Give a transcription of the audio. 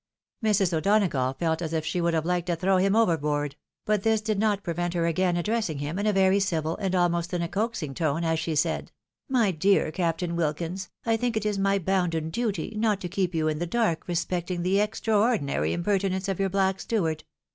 Mrs. O'Donagough felt as if she would have liked to throw him over board ; but this did not prevent her again addressing him in a very civil, and almost in a coaxing tone, as she said, " My dear Captain WOkins, I think it is my bounden duty not to keep you in the dark respecting the extraordinary impertinence of your black steward.